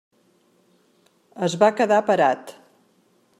Es va quedar parat.